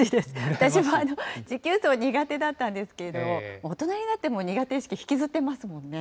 私も持久走苦手だったんですけれども、大人になっても苦手意識、引きずってますもんね。